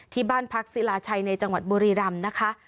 ที่บ้านพักศิลาชัยในจังหวัดบุรีรำนะคะ